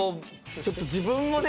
ちょっと自分もね